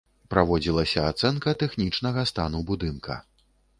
Праводзілася ацэнка тэхнічнага стану будынка.